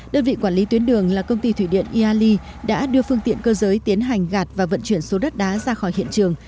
đơn vị quản lý tuyến đường là công ty thủy điện iali đã đưa phương tiện cơ giới tiến hành gạt và vận chuyển số đất đá ra khỏi hiện trường